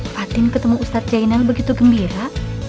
fatin ketemu ustaz zainal begitu gembira